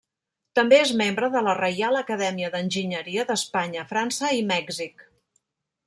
També és membre de la Reial Acadèmia d'Enginyeria d'Espanya, França i Mèxic.